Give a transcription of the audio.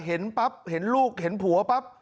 เห็นปั๊บเห็นลูกเห็นผัวปั๊บ